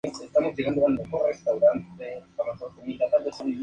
La canción recibió críticas completamente negativas.